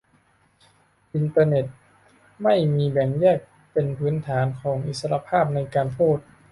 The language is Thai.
อินเตอร์เน็ตที่ไม่แบ่งแยกเป็นพื้นฐานของอิสรภาพในการพูด